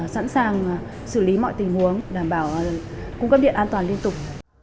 sẵn sàng xử lý mọi tình huống đảm bảo cung cấp điện an toàn liên tục